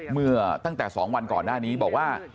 เมื่อตั้งแต่๒วันก่อนหน้านี้บอกว่า